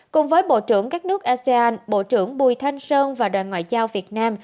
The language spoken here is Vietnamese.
cùng với bộ trưởng các nước asean bộ trưởng bùi thanh sơn và đoàn ngoại giao việt nam